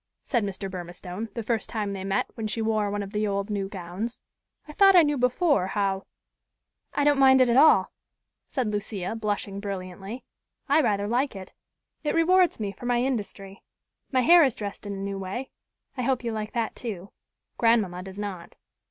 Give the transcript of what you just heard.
said Mr. Burmistone, the first time they met when she wore one of the old new gowns. "I thought I knew before how" "I don't mind it at all," said Lucia, blushing brilliantly. "I rather like it. It rewards me for my industry. My hair is dressed in a new way. I hope you like that too. Grandmamma does not."